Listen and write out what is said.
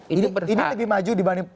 ini lebih maju dibanding